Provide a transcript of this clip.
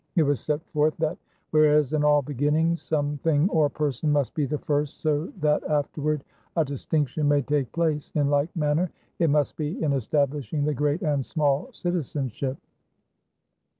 It was set forth that "whereas in all beginnings some thing or person must be the first so that afterward a distinction may take place, in like manner it must be in establishing the great and small citizenship."